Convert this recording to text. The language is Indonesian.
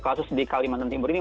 kasus di kalimantan timur ini